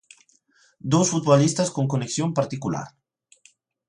Dous futbolistas con conexión particular.